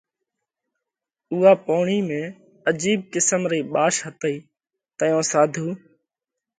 اُوئا پوڻِي ۾ عجيب قسم رئي ٻاش ھتئي تئيون ساڌُو